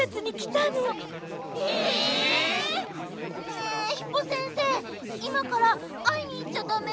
ねえヒポ先生いまからあいにいっちゃだめ？